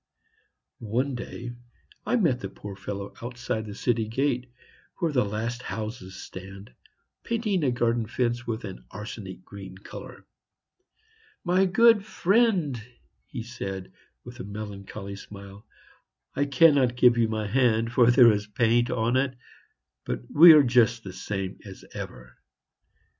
One day I met the poor fellow outside the city gate, where the last houses stand, painting a garden fence with an arsenic green color. "My good friend," he said, with a melancholy smile, "I cannot give you my hand, for there is paint on it; but we are just the same as ever."